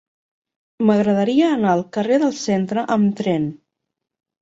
M'agradaria anar al carrer del Centre amb tren.